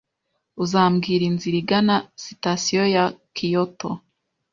Uzambwira inzira igana Sitasiyo ya Kyoto?